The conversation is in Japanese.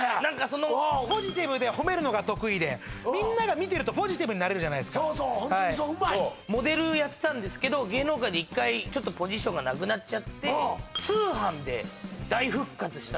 そのポジティブで褒めるのが得意でみんなが見てるとポジティブになれるじゃないですかそうそうホントにそううまいモデルやってたんですけど芸能界で一回ちょっとポジションがなくなっちゃって通販で大復活したんですよ